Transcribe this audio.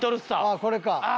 ああこれか。